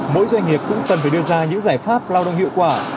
mỗi doanh nghiệp cũng cần phải đưa ra những giải pháp lao động hiệu quả